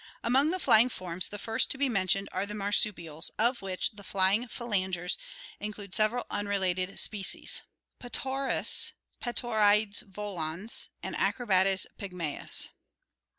Among the flying forms the first to be mentioned are the marsu pials, of which the flying phalangers include several unrelated species: Petaurus spp., Petauroides volans, and Acrobates pygnutus.